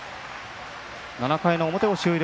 ７回の表を終了。